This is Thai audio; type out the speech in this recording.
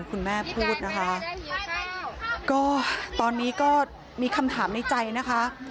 คุณแม่พูดนะคะก็ตอนนี้ก็มีคำถามในใจนะคะ